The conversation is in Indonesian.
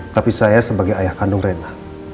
tapi saya sebagai ayah kandung rena